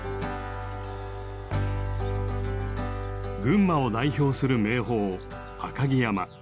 群馬を代表する名峰赤城山。